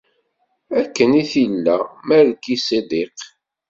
Akken i t-illa Malki Ṣidiq.